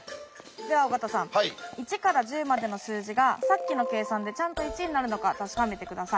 じゃあ尾形さん１から１０までの数字がさっきの計算でちゃんと１になるのか確かめて下さい。